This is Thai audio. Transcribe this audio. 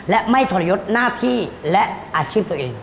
และไม่ทรยศหน้าที่และอาชีพตัวเอง